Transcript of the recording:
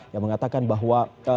yang mengatakan bahwa